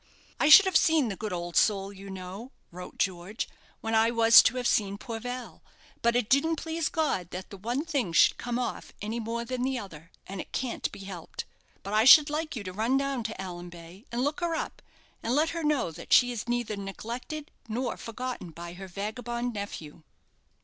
"I should have seen the good old soul, you know," wrote George, "when I was to have seen poor Val; but it didn't please God that the one thing should come off any more than the other, and it can't be helped. But I should like you to run down to Allanbay and look her up, and let her know that she is neither neglected nor forgotten by her vagabond nephew."